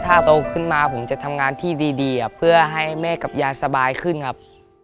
ถ้าโตขึ้นมาผมจะทำงานที่ดีเพื่อให้แม่กับยายสบายขึ้นครับ